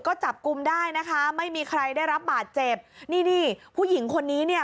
ก็จับกลุ่มได้นะคะไม่มีใครได้รับบาดเจ็บนี่นี่ผู้หญิงคนนี้เนี่ย